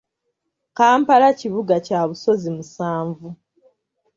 Kampala kibuga kya busozi musanvu